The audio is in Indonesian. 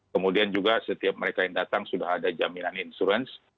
kemudian juga setiap mereka yang datang sudah ada jaminan insurance